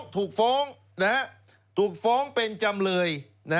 ถูกฟ้องถูกฟ้องเป็นจำเลย